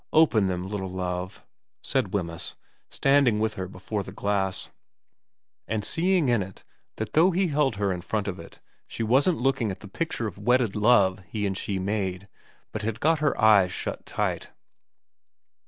Open them, little Love,' said Wemyss, standing with her before the glass 206 VERA and seeing in it that though he held her in front of it she wasn't looking at the picture of wedded love he and she made, but had got her eyes tight shut.